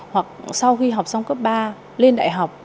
hoặc sau khi học xong cấp ba lên đại học